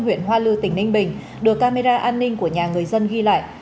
huyện hoa lư tỉnh ninh bình được camera an ninh của nhà người dân ghi lại